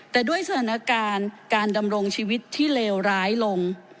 แต่ด้วยสถานการณ์การดำรงชีวิตที่เลวร้ายลง